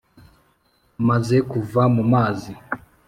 Amaze kuva mu mazi